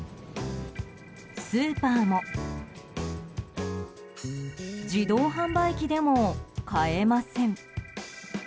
スーパーも、自動販売機でも買えません。